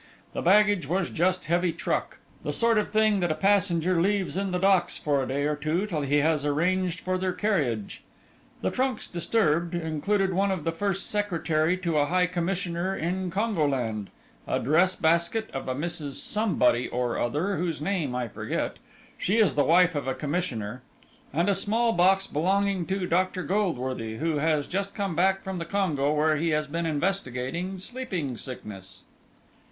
The baggage was just heavy truck; the sort of thing that a passenger leaves in the docks for a day or two till he has arranged for their carriage. The trunks disturbed, included one of the First Secretary to a High Commissioner in Congoland, a dress basket of a Mrs. Somebody or other whose name I forget she is the wife of a Commissioner and a small box belonging to Dr. Goldworthy, who has just come back from the Congo where he has been investigating sleeping sickness."